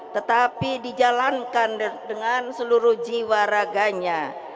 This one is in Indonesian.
tetapi dijalankan dengan seluruh jiwa raganya